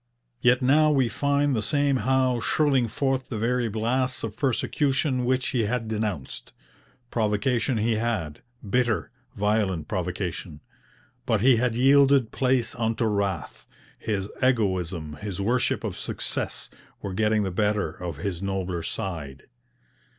Yet now we find the same Howe shrilling forth the very blasts of persecution which he had denounced. Provocation he had bitter, violent provocation. But he had yielded place unto wrath; his egoism, his worship of success, were getting the better of his nobler side.